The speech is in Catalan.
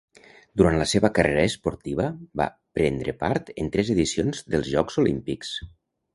Durant la seva carrera esportiva va prendre part en tres edicions dels Jocs Olímpics.